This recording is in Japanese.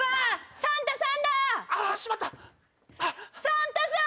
サンタさん